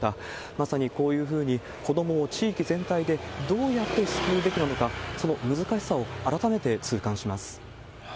まさにこういうふうに子どもを地域全体でどうやって救うべきなのか、その難しさを改めて痛感します。